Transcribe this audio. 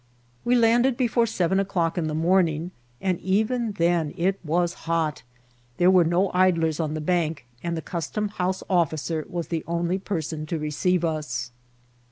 We landed before seven o'clock in the morning, and even then it was hot. There were no idlers on the bank, and the custom house officer was the only person to receive us.